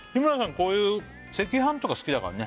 こういう赤飯とか好きだからね